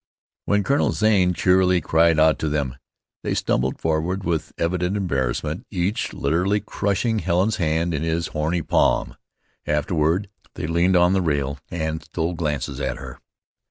When Colonel Zane cheerily cried out to them, they stumbled forward with evident embarrassment, each literally crushing Helen's hand in his horny palm. Afterward they leaned on the rail and stole glances at her.